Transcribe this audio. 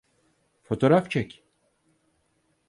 Fotoğraf çek.